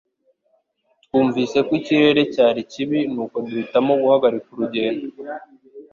Twumvise ko ikirere cyari kibi, nuko duhitamo guhagarika urugendo